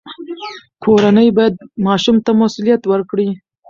کورنۍ باید ماشوم ته مسوولیت ورکړي.